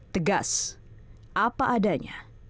tegas apa adanya